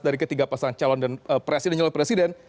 dari ketiga pasangan calon presiden